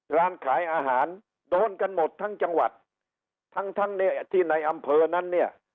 ร้านขายอาหารโดนกันหมดทั้งจังหวัดทั้งทั้งเนี่ยที่ในอำเภอนั้นเนี่ย